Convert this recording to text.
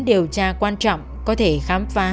điều tra quan trọng có thể khám phá